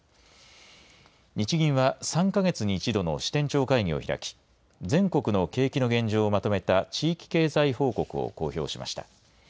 日銀は、３か月に１度の支店長会議を開き、全国の景気の現状をまとめた地域経済報告を公表しました。